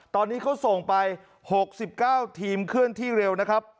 ตอนนี้เขาส่งไปหกสิบเก้าทีมขึ้นที่เร็วนะครับ